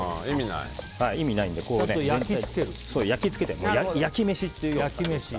意味ないので焼き付けて、焼き飯っていう。